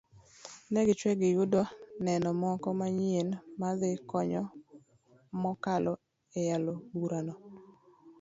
negichwe giyudo neno moko manyien madhi konyogi mokalo eyalo burano